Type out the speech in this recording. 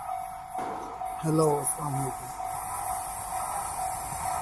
He offered to fight Lenny McLean, but was refused.